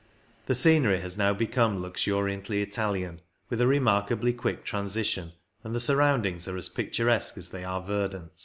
The scenery has now become luxuriantly Italian, with a remarkably quick transition, and the surroundings are as picturesque as they are verdant.